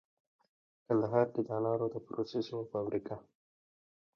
کندهار کې د انارو د پروسس یوه فابریکه